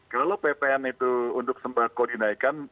kalau ppn itu untuk sembako dinaikkan